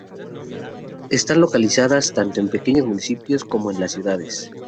Están localizadas tanto en pequeños municipios como en las ciudades.